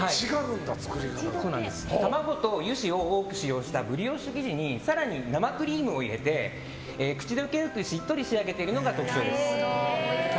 卵と油脂を多く使用したブリオッシュ生地に更に生クリームを入れて口溶けよくしっとり仕上げているのが特徴です。